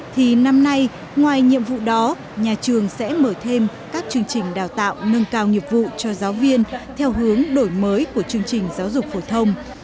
thì năm nay ngoài nhiệm vụ đó nhà trường sẽ mở thêm các chương trình đào tạo nâng cao nghiệp vụ cho giáo viên theo hướng đổi mới của chương trình giáo dục phổ thông